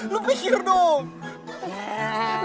lu pikir dong